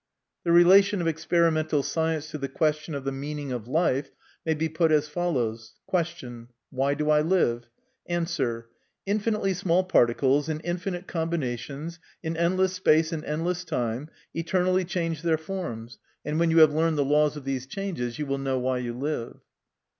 The relation of experimental science to the question of the meaning of life may be put as follows : Question, " Why do I live ?" Answer, " Infinitely small particles, in infinite combinations, in endless space and endless time, eternally change their forms, and when MY CONFESSION. 45 you have learned the laws of these changes, you will know why you live."